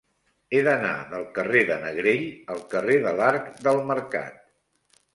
He d'anar del carrer de Negrell al carrer de l'Arc del Mercat.